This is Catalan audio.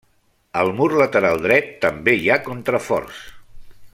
Al mur lateral dret també hi ha contraforts.